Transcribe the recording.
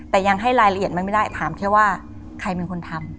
แต่ยังให้รายละเอียดมันไม่ได้ถามแค่ว่าใครเป็นคนทำ